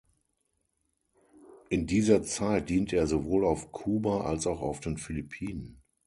In dieser Zeit diente er sowohl auf Kuba als auch auf den Philippinen.